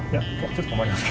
ちょっと困ります。